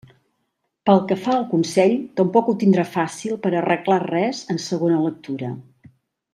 Pel que fa al Consell, tampoc ho tindrà fàcil per arreglar res en segona lectura.